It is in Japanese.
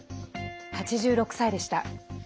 ８６歳でした。